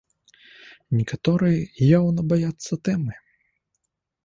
Некаторыя яўна баяцца тэмы.